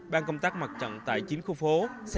ban công tác mặt trận tại chín khu phố